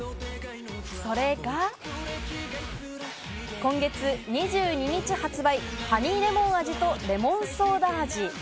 それが今月２２日発売、ハニーレモン味とレモンソーダ味。